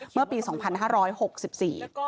เมื่อปีพศ๒๕๖๔